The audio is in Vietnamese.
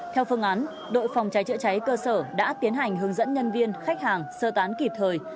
theo phương án đội phòng cháy chữa cháy cơ sở đã tiến hành hướng dẫn nhân viên khách hàng sơ tán kịp thời